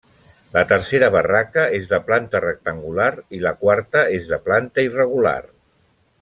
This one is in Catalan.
La tercera barraca és de planta rectangular i la quarta és de planta irregular.